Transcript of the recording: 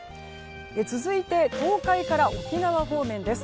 続いて、東海から沖縄方面です。